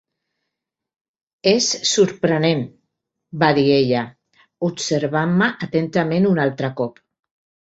"És sorprenent", va dir ella, observant-me atentament un altre cop.